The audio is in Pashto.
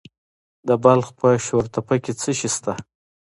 د بلخ په شورتپه کې څه شی شته؟